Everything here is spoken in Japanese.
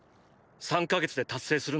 ３ヵ月で達成するんだ。